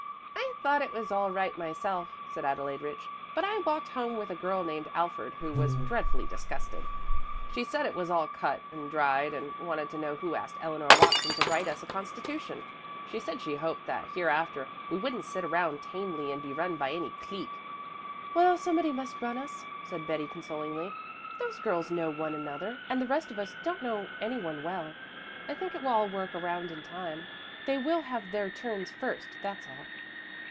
"I thought it was all right myself," said Adelaide Rich, "but I walked home with a girl named Alford who was dreadfully disgusted. She said it was all cut and dried, and wanted to know who asked Eleanor Watson to write us a constitution. She said she hoped that hereafter we wouldn't sit around tamely and be run by any clique." "Well, somebody must run us," said Betty consolingly. "Those girls know one another and the rest of us don't know any one well. I think it will all work around in time. They will have their turns first, that's all."